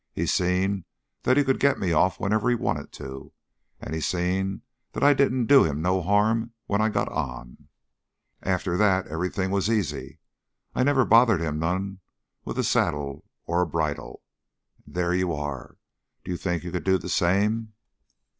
He seen that he could get me off whenever he wanted to and he seen that I didn't do him no harm when I got on. "After that everything was easy. I never bothered him none with a saddle or a bridle. And there you are. D'you think you can do the same?"